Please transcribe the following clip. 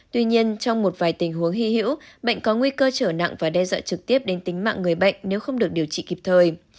tuy nhiên trong một vài tình huống hy hữu bệnh có nguy cơ trở nặng và đe dọa trực tiếp đến tính mạng người bệnh nếu không được điều trị kịp thời